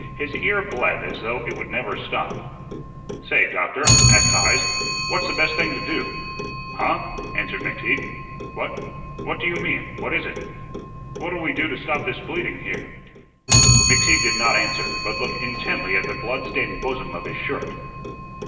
His ear bled as though it would never stop. "Say, Doctor," asked Heise, "what's the best thing to do?" "Huh?" answered McTeague. "What what do you mean? What is it?" "What'll we do to stop this bleeding here?" McTeague did not answer, but looked intently at the blood stained bosom of his shirt.